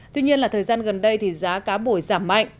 tuy nhiên là thời gian gần đây thì giá cá bổi giảm mạnh